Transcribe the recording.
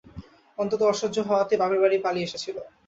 অত্যন্ত অসহ্য হওয়াতেই বাপের বাড়ি পালিয়ে এসেছিল।